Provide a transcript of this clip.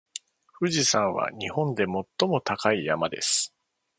富士山は日本で最も高い山です。